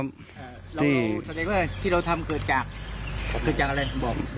เราแสดงว่าที่เราทำเกิดจากเกิดจากอะไรบอก